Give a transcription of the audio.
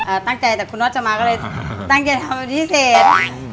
อ่าตั้งใจแต่คุณนอทจะมาก็เลยตั้งใจทำดีเฉย